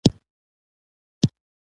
زه نن په کار بوخت يم